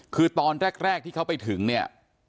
คือตอนแรกที่เขาไปถึงเนี่ย